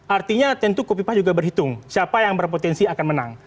artinya tentu kofifah juga berhitung siapa yang berpotensi akan menang